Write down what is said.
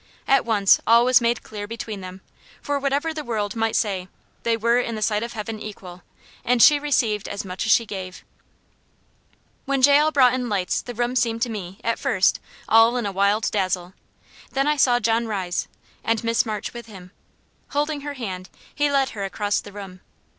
At once all was made clear between them; for whatever the world might say, they were in the sight of heaven equal, and she received as much as she gave. When Jael brought in lights the room seemed to me, at first, all in a wild dazzle. Then I saw John rise, and Miss March with him. Holding her hand, he led her across the room.